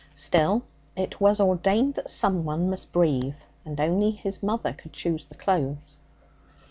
Still, it was ordained that someone must breathe, and only his mother could choose the clothes.